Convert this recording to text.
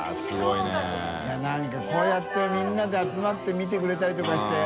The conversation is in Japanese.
い何かこうやってみんなで集まって見てくれたりとかして。